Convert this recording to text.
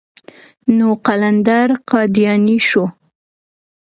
نو قلندر قادياني شو.